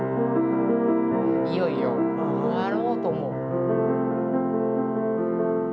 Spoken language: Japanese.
いよいよ終わろうと。